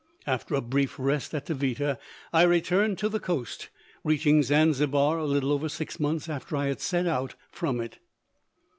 After a brief rest at Taveta, I returned to the coast, reaching Zanzibar a little over six months after I had set out from it.